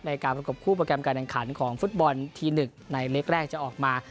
การประกบคู่โปรแกรมการแข่งขันของฟุตบอลที๑ในเล็กแรกจะออกมา